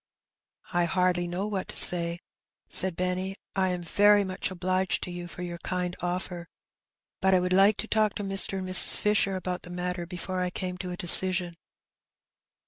^' ''I hardly know what to say/' said Benny. *'I am very much obliged to you for your kind oflfer, but I would like to talk with Mr. and Mrs. Fisher about the matter before I came to a decision.'